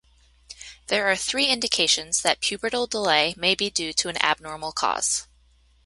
There are three indications that pubertal delay may be due to an abnormal cause.